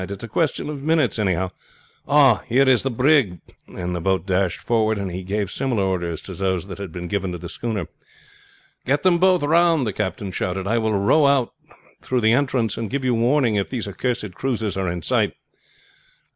"It's a question of minutes, anyhow. Ah, here is the brig!" and the boat dashed forward and he gave similar orders to those that had been given to the schooner. "Get them both round!" the captain shouted. "I will row out through the entrance and give you warning if these accursed cruisers are in sight."